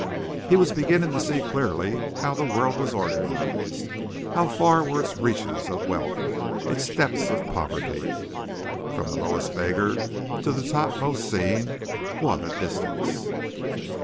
He was beginning to see clearly how the world was organized, how far were its reaches of wealth, its depths of poverty. From the lowest beggar to the topmost scene what a distance!